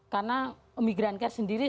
karena migranker sendiri